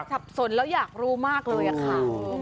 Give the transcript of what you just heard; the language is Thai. สับสนแล้วอยากรู้มากเลยค่ะ